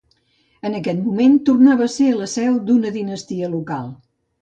En aquest moment, tornava a ser la seu d'una dinastia local.